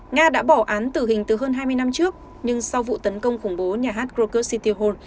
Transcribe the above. nga đã bỏ án tử hình từ hơn hai mươi năm trước nhưng sau vụ tấn công khủng bố nhà hát croker city hall